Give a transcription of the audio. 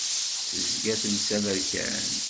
Tezga telsa aberkan.